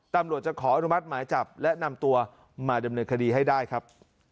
ตำรวจจะขออนุมัติหมายจับและนำตัวมาดำเนินคดีให้ได้ครับ